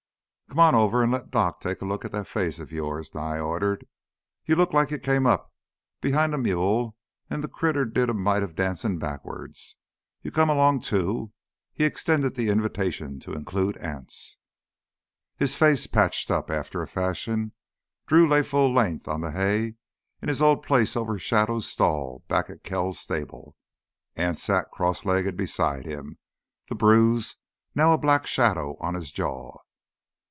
"Come on over an' let Doc take a look at that face of yours," Nye ordered. "You look like you came up behind a mule an' the critter did a mite of dancin' backwards! You come 'long, too," he extended the invitation to include Anse. His face patched up after a fashion, Drew lay full length on the hay in his old place over Shadow's stall back at Kells' stable. Anse sat crosslegged beside him, the bruise now a black shadow on his jaw.